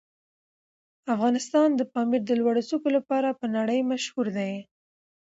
افغانستان د پامیر د لوړو څوکو لپاره په نړۍ مشهور دی.